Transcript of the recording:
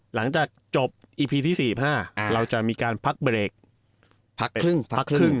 หลังจากจบอีพีที่๔๕เราจะมีการพักเบรกพักครึ่งพักครึ่ง